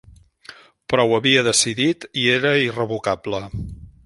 Però ho havia decidit, i era irrevocable.